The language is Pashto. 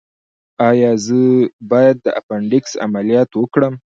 ایا زه باید د اپنډکس عملیات وکړم؟